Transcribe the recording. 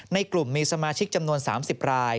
ในกลุ่มมีสมาชิกจำนวน๓๐ราย